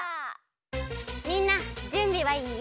みんなじゅんびはいい？